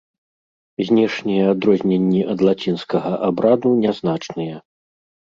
Знешнія адрозненні ад лацінскага абраду нязначныя.